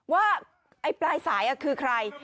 ว่าไอ้ปลายสายคือใคร